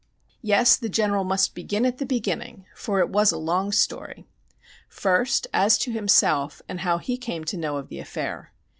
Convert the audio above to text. Yes, the General must begin at the beginning, for it was a long story. First, as to himself and how he came to know of the affair.